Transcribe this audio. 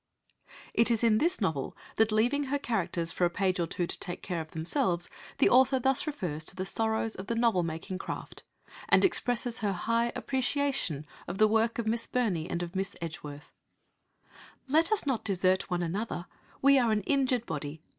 It is in this novel that, leaving her characters for a page or two to take care of themselves, the author thus refers to the sorrows of the novel making craft, and expresses her high appreciation of the work of Miss Burney and of Miss Edgeworth "Let us not desert one another we are an injured body.